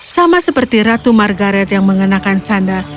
sama seperti ratu margaret yang mengenakan sandal